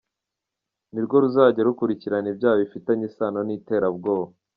Ni rwo ruzajya rukurikirana ibyaha bifitanye isano n'iterabwoba.